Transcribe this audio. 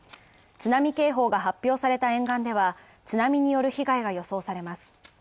津波警報が発表された沿岸では、津波による被害が予想されます。